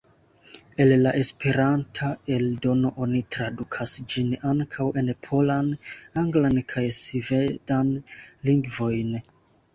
El la Esperanta eldono oni tradukas ĝin ankaŭ en polan, anglan kaj svedan lingvojn.